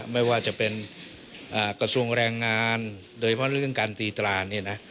ไม่ว่าจะเป็นกระทรวงแรงงานโดยเฉพาะเรื่องการตีตราเนี่ยนะ